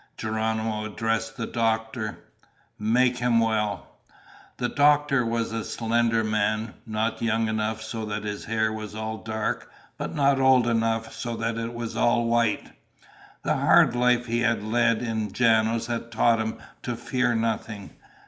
Geronimo addressed the doctor. "Make him well." The doctor was a slender man, not young enough so that his hair was all dark but not old enough so that it was all white. The hard life he had led in Janos had taught him to fear nothing.